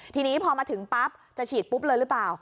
ทีนี้พอมาถึงปั๊บจะฉีดปุ๊บเลยหรือเปล่า